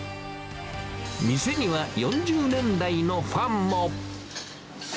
店には４０年来のファンも。